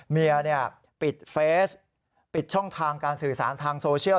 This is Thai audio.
เมียปิดเฟสปิดช่องทางการสื่อสารทางโซเชียล